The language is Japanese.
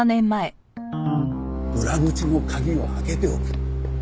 裏口の鍵を開けておく。